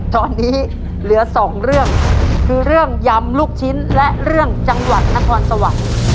ตอนนี้เหลือสองเรื่องคือเรื่องยำลูกชิ้นและเรื่องจังหวัดนครสวรรค์